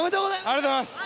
ありがとうございます！